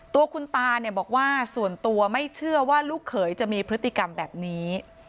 ตัวคุณตาเนี่ยบอกว่าส่วนตัวไม่เชื่อว่าลูกเขยจะมีพฤติกรรมแบบนี้